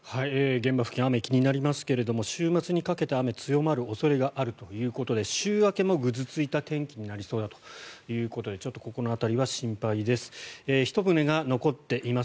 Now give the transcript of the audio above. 現場付近雨、気になりますけれども週末にかけて雨が強まる恐れがあるということで週明けもぐずついた天気になりそうだということでちょっとここの辺りは心配です。